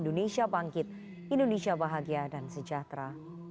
indonesia bangkit indonesia bahagia dan sejahtera